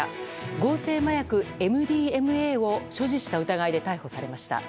合成麻薬ＭＤＭＡを所持した疑いで逮捕されました。